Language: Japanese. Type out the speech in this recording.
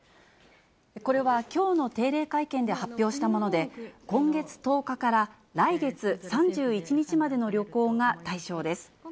これはきょうの定例会見で発表したもので、今月１０日から来月３１日までの旅行が対象です。